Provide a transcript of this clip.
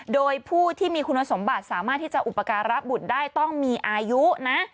โดยผู้ที่มีคุณสมบัติสามารถที่จะอุปการะบุตรได้ต้องมีอายุนะ